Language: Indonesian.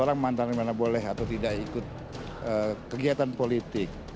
orang mantan dimana boleh atau tidak ikut kegiatan politik